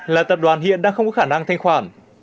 là tập đoàn hiện đang không có khả năng thanh khoản